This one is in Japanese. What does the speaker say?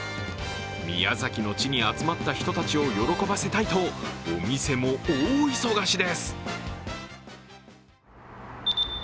宮崎の地に集まった人たちを喜ばせたいと、お店も大忙しです。